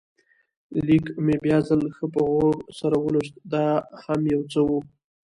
لیک مې بیا ځل ښه په غور سره ولوست، دا هم یو څه و.